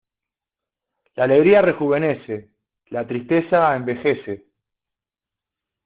La alegría rejuvenece; la tristeza envejece.